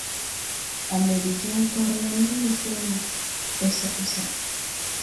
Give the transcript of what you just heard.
À mbɛ de joŋ torlan ni ne so no, esa esa.